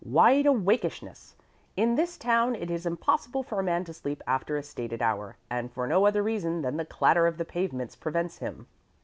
Wide awakeishness. In this town it is impossible for a man to sleep after a stated hour, and for no other reason than that the clatter of the pavements prevents him.